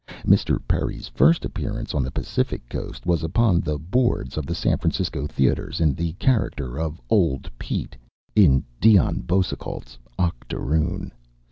Mr. Perry's first appearance on the Pacific Coast was upon the boards of the San Francisco theaters in the character of "Old Pete" in Dion Boucicault's "Octoroon."